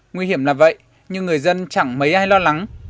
nguy hiểm là vậy nhưng người dân chẳng mấy ai lo lắng